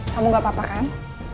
kamu gak apa apa kan